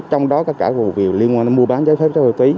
trong đó có cả vụ việc liên quan đến mua bán trái phép hoa túy